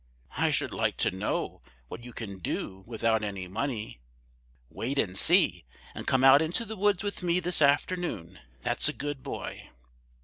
"I should like to know what you can do without any money!" "Wait and see! and come out into the woods with me this afternoon, that's a good boy!"